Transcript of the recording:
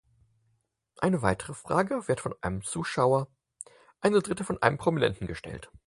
Eine weitere Frage wird von einem Zuschauer, eine dritte von einem Prominenten gestellt.